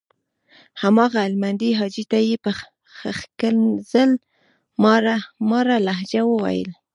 هماغه هلمندي حاجي ته یې په ښکنځل ماره لهجه وويل.